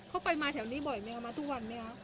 เขาไปมาแถวนี่บ่อยไม่เอามาทุกวันไม่อั๊ะ